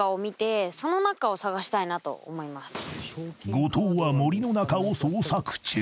［後藤は森の中を捜索中］